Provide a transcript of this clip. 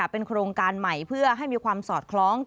เป็นโครงการใหม่เพื่อให้มีความสอดคล้อง